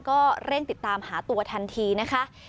ก็เร่งติดตามหาตัวทันทีนะคะ